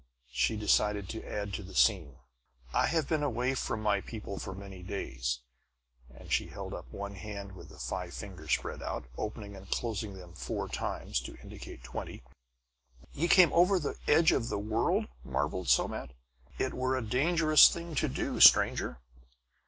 She decided to add to the scene. "I have been away from my people for many days," and she held up one hand with the five fingers spread out, opening and closing them four times, to indicate twenty. "Ye came over the edge of the world!" marveled Somat. "It were a dangerous thing to do, stranger!"